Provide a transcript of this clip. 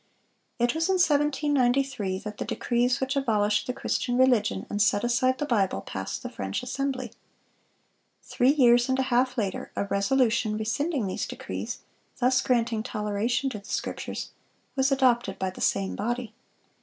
(422) It was in 1793 that the decrees which abolished the Christian religion and set aside the Bible, passed the French Assembly. Three years and a half later a resolution rescinding these decrees, thus granting toleration to the Scriptures, was adopted by the same body.